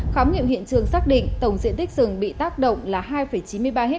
khám nghiệm hiện trường xác định tổng diện tích rừng bị tác động là hai chín mươi ba ha